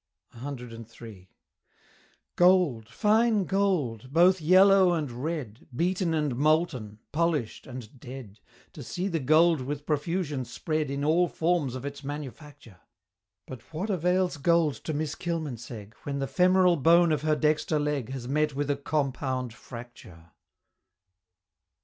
CIII. Gold! fine gold! both yellow and red, Beaten, and molten polish'd, and dead To see the gold with profusion spread In all forms of its manufacture! But what avails gold to Miss Kilmansegg, When the femoral bone of her dexter log Has met with a compound fracture?